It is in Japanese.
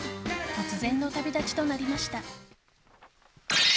突然の旅立ちとなりました。